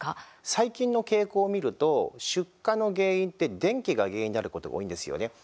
最近の傾向を見ると出火の原因って電気が原因であることが多いんですよね。